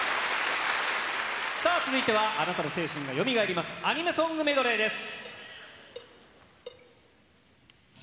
さあ続いては、あなたの青春がよみがえります、アニメソングメドレーです。